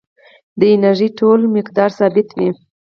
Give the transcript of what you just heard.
د انرژۍ ټول مقدار ثابت وي.